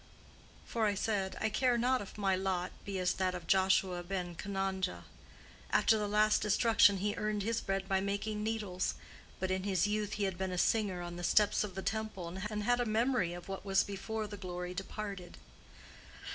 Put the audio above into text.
For I said, I care not if my lot be as that of Joshua ben Chananja: after the last destruction he earned his bread by making needles, but in his youth he had been a singer on the steps of the Temple, and had a memory of what was before the glory departed.